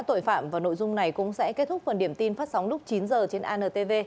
tội phạm và nội dung này cũng sẽ kết thúc phần điểm tin phát sóng lúc chín h trên antv